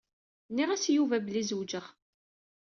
Nniɣ-as i Yuba belli zewjeɣ.